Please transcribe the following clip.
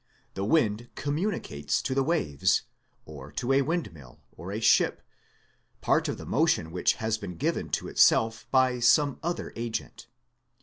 The wind communicates to the waves, or to a windmill, or a ship, part of the motion which has been given to itself by some other agent.